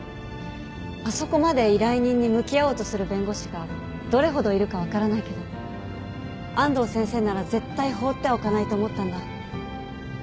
あそこまで依頼人に向き合おうとする弁護士がどれほどいるか分からないけど安藤先生なら絶対放ってはおかないと思ったんだ。